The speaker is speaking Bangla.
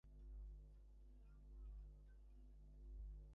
আমার এই শ্রদ্ধাকে যদি তুমি শ্রদ্ধা করতে পার তাতে তোমারও ভালো হবে।